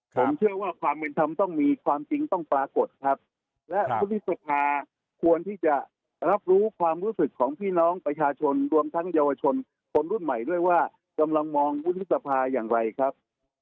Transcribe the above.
ผมเชื่อว่าความเป็นธรรมต้องมีความจริงต้องปรากฏครับและวุฒิสภาควรที่จะรับรู้ความรู้สึกของพี่น้องประชาชนรวมทั้งเยาวชนคนรุ่นใหม่ด้วยว่ากำลังมองวุฒิสภาอย่างไรครับ